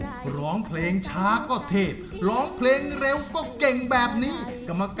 ทีมที่ชนะคือทีม